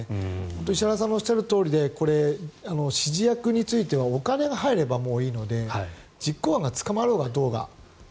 石原さんのおっしゃるとおりで指示役についてはお金が入ればいいので実行犯が捕まろうが。